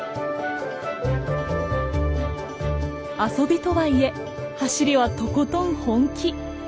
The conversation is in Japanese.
遊びとはいえ走りはとことん本気。